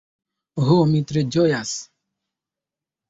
Ho, mi tre ĝojas.